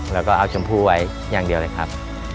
แล้วก็เอาชมพู่ไว้อย่างเดียวเลยครับ